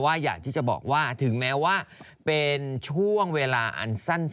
อยากที่จะบอกว่าถึงแม้ว่าเป็นช่วงเวลาอันสั้น